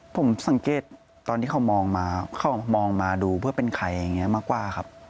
ผมสังเกตตอนที่เขามองมาเขามองมาดูเพื่อเป็นใครอย่างนี้มากกว่าครับ